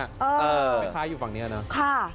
ไม่ค้าอยู่ฝั่งนี้เนอะค่ะค่ะ